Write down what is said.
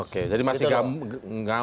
oke jadi masih ngambang aja